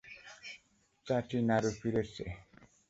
চাচী, নারু ফিরেছে।